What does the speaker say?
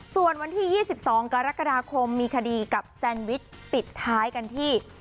ส่วนวันที่๒๒กรกฎาคมมีคดีกับแซนวิชปิดท้ายกันที่